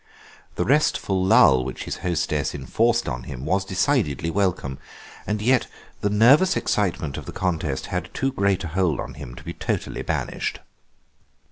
The restful lull which his hostess enforced on him was decidedly welcome, and yet the nervous excitement of the contest had too great a hold on him to be totally banished.